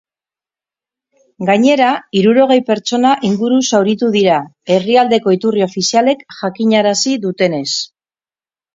Gainera, hirurogei pertsona inguru zauritu dira, herrialdeko iturri ofizialek jakinarazi dutenez.